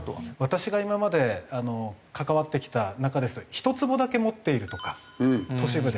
私が今まで関わってきた中ですと１坪だけ持っているとか都市部で。